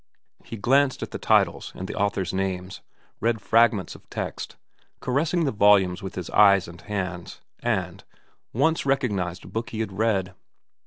He glanced at the titles and the authors' names, read fragments of text, caressing the volumes with his eyes and hands, and, once, recognized a book he had read.